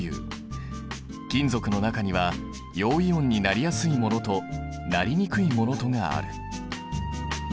金属の中には陽イオンになりやすいものとなりにくいものとがある。